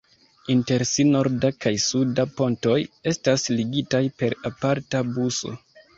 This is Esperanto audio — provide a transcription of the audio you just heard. Inter si "norda" kaj "suda pontoj" estas ligitaj per aparta buso.